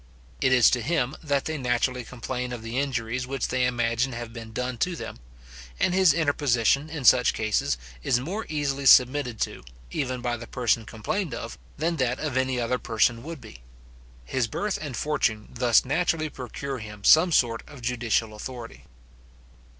It is to him that they naturally complain of the injuries which they imagine have been done to them; and his interposition, in such cases, is more easily submitted to, even by the person complained of, than that of any other person would be. His birth and fortune thus naturally procure him some sort of judicial authority.